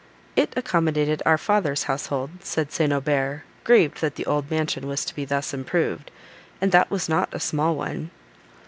"It accommodated our father's household," said St. Aubert, grieved that the old mansion was to be thus improved, "and that was not a small one."